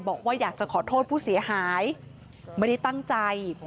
บอกว่าอยากจะขอโทษผู้เสียหายไม่ได้ตั้งใจ